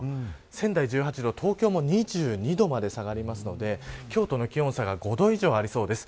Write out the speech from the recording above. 仙台１８度、東京も２２度まで下がるので今日との気温差が５度以上ありそうです。